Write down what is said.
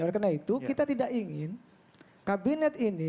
oleh karena itu kita tidak ingin kabinet ini